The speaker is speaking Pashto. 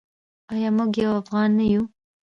آیا موږ یو افغان نه یو؟